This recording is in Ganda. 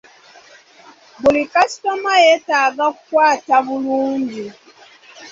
Buli kasitoma yeetaga kukwata bulungi.